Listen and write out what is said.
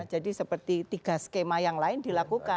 jadi seperti tiga skema yang lain dilakukan